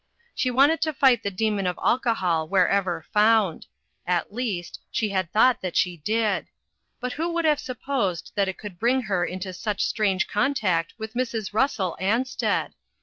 She wanted to fight the demon of alcohol wherever found at least, she had thought that she did ; but who would have supposed that it could bring her into such strange contact with Mrs. Russel Ansted?